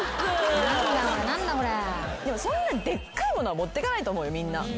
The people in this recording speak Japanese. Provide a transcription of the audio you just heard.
そんなでっかいものは持ってかないと思うよみんな。